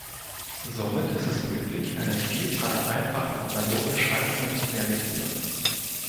Somit ist es möglich, eine Vielzahl einfacher analoger Schaltungen zu realisieren.